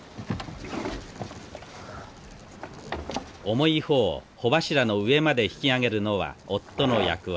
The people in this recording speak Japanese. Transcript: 重い帆を帆柱の上まで引き上げるのは夫の役割。